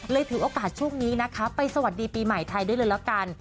ถือโอกาสช่วงนี้นะคะไปสวัสดีปีใหม่ไทยได้เลยแล้วกัน